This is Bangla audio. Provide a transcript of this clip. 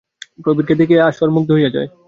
প্রবীরকে দেখিয়াই আসর মুগ্ধ হইয়া যায়।